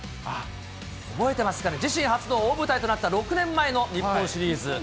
覚えてますかね、自身初の大舞台となった６年前の日本シリーズ。